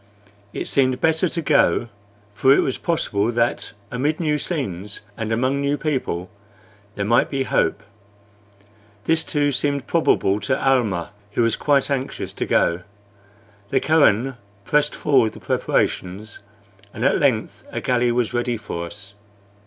It seemed better to go, for it was possible that amid new scenes and among new people there might be hope. This, too, seemed probable to Almah, who was quite anxious to go. The Kohen pressed forward the preparations, and at length a galley was ready for us.